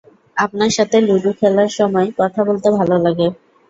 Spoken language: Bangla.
আপনার সাথে লুডু খেলার সময় কথা বলতে ভালো লাগে।